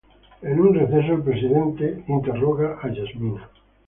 En un receso, el presidente habla con Yasmina, interrogándola